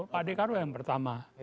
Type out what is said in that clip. pak dekarwo yang pertama